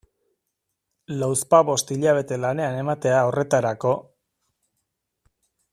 Lauzpabost hilabete lanean ematea horretarako...